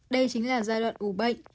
đây chính là giai đoạn ủ bệnh